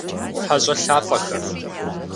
Хьэщӏэ лъапӏэхэ!